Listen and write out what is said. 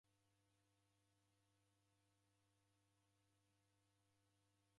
Kishomo ni mafungu gha law'u.